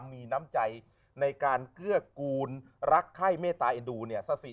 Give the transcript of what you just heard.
รักค่ายเมตตาเอ็ดูซัสสิ